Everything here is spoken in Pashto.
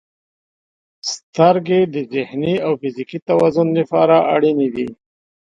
• سترګې د ذهني او فزیکي توازن لپاره اړینې دي.